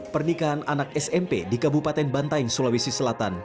pernikahan anak smp di kabupaten bantaing sulawesi selatan